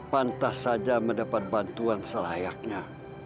pantas saja mendapat bantuan selayaknya